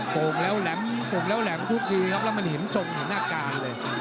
โก่งแล้วแหลมโก่งแล้วแหลมทุกทีครับแล้วมันเห็นทรงเห็นหน้าการเลย